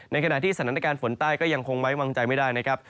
ในขณะที่สถานการณ์ฝนใต้ก็ยังคงไว้วางใจไม่ได้นะครับ